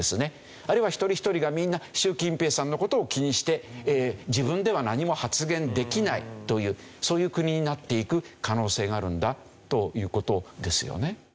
あるいは一人一人がみんな習近平さんの事を気にして自分では何も発言できないというそういう国になっていく可能性があるんだという事ですよね。